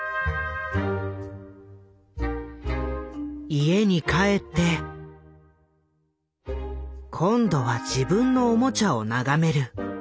家に帰って今度は自分のおもちゃを眺める。